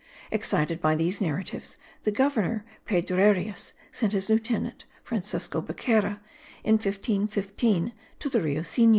Excited by these narratives, the governor Pedrarias sent his lieutenant, Francisco Becerra, in 1515, to the Rio Sinu.